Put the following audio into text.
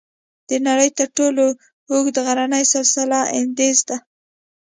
د نړۍ تر ټولو اوږد غرنی سلسله "انډیز" ده.